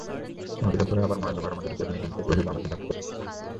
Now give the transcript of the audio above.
অনতিকাল পরেই আবার মহেন্দ্র ঘরের মধ্যে ঢুকিয়া বিনোদিনীকে কহিল, আমাকে মাপ করো।